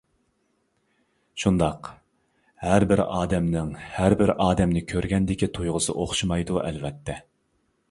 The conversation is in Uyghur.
شۇنداق ھەربىر ئادەمنىڭ ھەربىر ئادەمنى كۆرگەندىكى تۇيغۇسى ئوخشىمايدۇ ئەلۋەتتە.